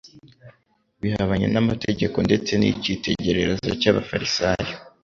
bihabanye n'amategeko ndetse n'icyitegererezo cy'abafarisayo.